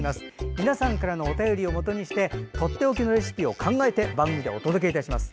皆さんからのお便りをもとにしてとっておきのレシピを考えて番組でお届けいたします。